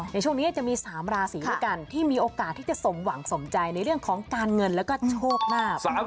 ในช่วงนี้จะมี๓ราศีด้วยกันที่มีโอกาสที่จะสมหวังสมใจในเรื่องของการเงินแล้วก็โชคลาภ